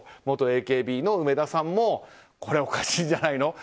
元ＡＫＢ４８の梅田さんもこれはおかしいんじゃないの？